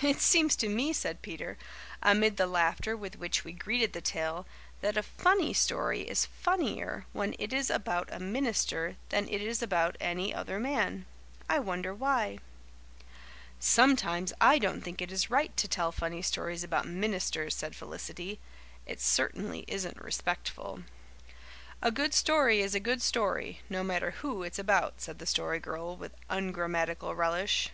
"It seems to me," said Peter, amid the laughter with which we greeted the tale, "that a funny story is funnier when it is about a minister than it is about any other man. I wonder why." "Sometimes I don't think it is right to tell funny stories about ministers," said Felicity. "It certainly isn't respectful." "A good story is a good story no matter who it's about," said the Story Girl with ungrammatical relish.